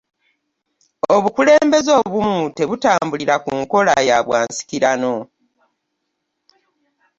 Obukulembeze obumu tebutambulira kunkola y'abwansikirano.